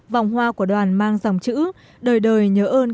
vòng hoa của đoàn mang dòng chữ đời đời nhớ ơn canh hùng liệt sĩ